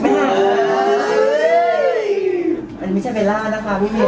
มันไม่ใช่เวลล่านะคะพี่เวียง